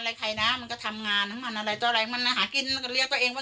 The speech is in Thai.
อะไรใครน่ะมันก็ทำงานทั้งหมดอะไรตัวอะไรมันหากินเรียกตัวเองว่า